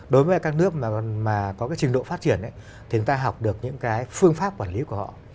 đối với các nước mà có cái trình độ phát triển thì chúng ta học được những cái phương pháp quản lý của họ